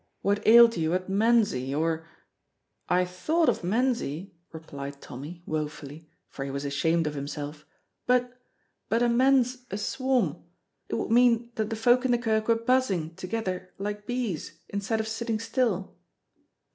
What ailed you at manzy, or " "I thought of manzy," replied Tommy, woefully, for he was ashamed of himself, "but but a manse's a swarm. It would mean that the folk in the kirk were buzzing thegither like bees, instead of sitting still."